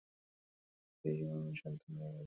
তিনি তাঁর স্ত্রী এবং বারো সন্তান রেখে গেছেন।